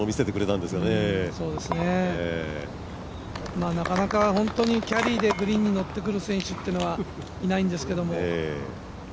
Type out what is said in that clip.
そうですねなかなか、キャリーでグリーンに乗ってくる選手っていうのはいないんですけども。